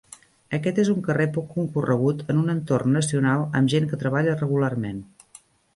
Aquest és un carrer poc concorregut en un entorn nacional amb gent que treballa regularment.